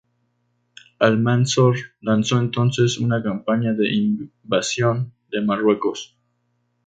Almanzor lanzó entonces una campaña de invasión de Marruecos.